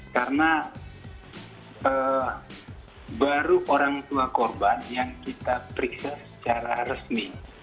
karena baru orang tua korban yang kita periksa secara resmi